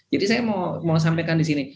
jadi saya mau sampaikan di sini